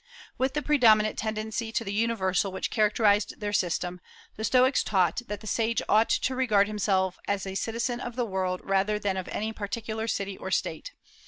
With the predominant tendency to the universal which characterized their system, the Stoics taught that the sage ought to regard himself as a citizen of the world rather than of any particular city or state.